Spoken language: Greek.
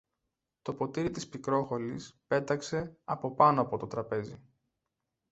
το ποτήρι της Πικρόχολης πέταξε από πάνω από το τραπέζι